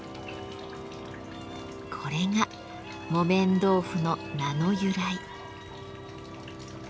これが「木綿豆腐」の名の由来。